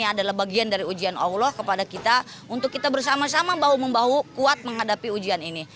ini adalah bagian dari ujian allah kepada kita untuk kita bersama sama bahu membahu kuat menghadapi ujian ini